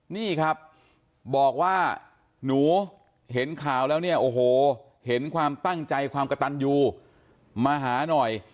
นี่ครับบอกว่าหนูเห็นข่าวแล้วเนี่ยโอ้โหเห็นความตั้งใจความกระตันยูมาหาหน่อย